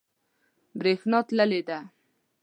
بریښنا تللی ده